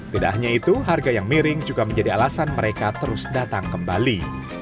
tidak hanya itu harga yang miring juga menjadi alasan mereka terus datang kembali